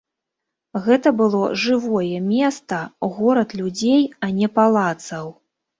Гэта было жывое места, горад людзей, а не палацаў.